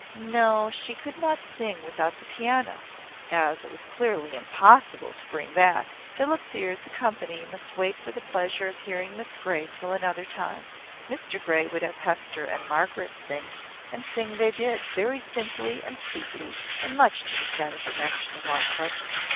No; she could not sing without the piano. As it was clearly impossible to bring that, Philip feared the company must wait for the pleasure of hearing Miss Grey till another time. Mr Grey would have Hester and Margaret sing; and sing they did, very simply and sweetly, and much to the satisfaction of all present.